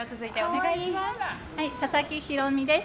佐々木広美です。